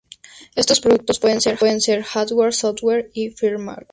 Estos productos pueden ser hardware, software o firmware.